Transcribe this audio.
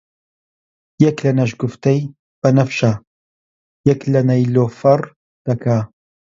یەک لە نەشگوفتەی بەنەفشە، یەک لە نەیلۆفەڕ دەکا